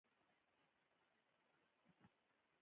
د خاورو زور و؛ نه دې اورېدل.